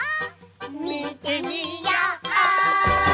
みてみよう！